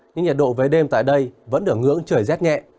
nhưng nhiệt độ về đêm tại đây vẫn ở ngưỡng trời rét nhẹ